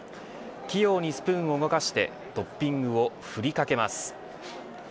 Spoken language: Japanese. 器用にスプーンを動かしてトッピングをふりかけます。